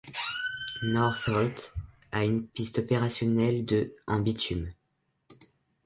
Northolt a une piste opérationnelle de en bitume.